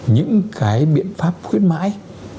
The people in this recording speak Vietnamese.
những cái biện pháp khuyến mãi